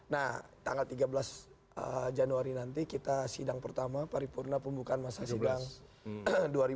nah tanggal tiga belas januari nanti kita sidang pertama paripurna pembukaan masa sidang ke dua ribu dua puluh